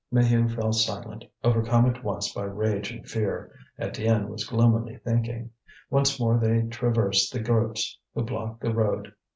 Maheu fell silent, overcome at once by rage and fear. Étienne was gloomily thinking. Once more they traversed the groups who blocked the road.